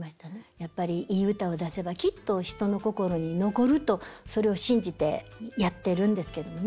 やっぱりいい歌を出せばきっと人の心に残るとそれを信じてやってるんですけどね。